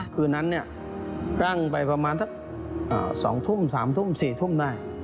คืนนั้นร่างไปประมาณสองทุ่มสามทุ่มสี่ทุ่มได้